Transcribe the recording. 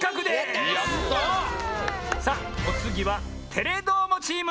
さあおつぎは「テレどーも！」チーム！